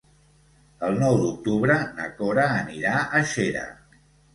El nou d'octubre na Cora anirà a Xera.